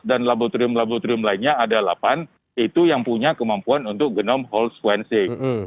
di laboratorium laboratorium lainnya ada delapan itu yang punya kemampuan untuk genom hall squancing